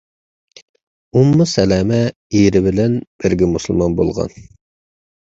ئۇممۇ سەلەمە — ئېرى بىلەن بىرگە مۇسۇلمان بولغان.